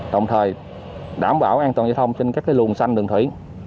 đồng thời đảm bảo an toàn giao thông trên các luồng xanh đường thủy